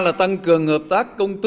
đó là tăng cường hợp tác công tư